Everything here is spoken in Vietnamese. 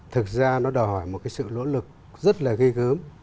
thực ra nó đòi hỏi một cái sự lỗ lực rất là ghê gớm